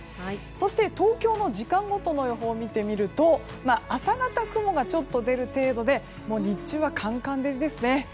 そして東京の時間ごとの予報を見てみると朝方、雲がちょっと出る程度で日中はカンカン照りですね。